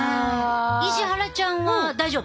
石原ちゃんは大丈夫？